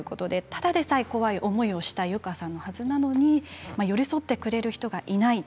ただでさえ怖い思いをしたゆかさんなのに寄り添ってくれる人がいない。